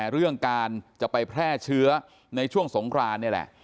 เรื่องการจะไปแพร่เชื้อในช่วงสงครานนี่แหละ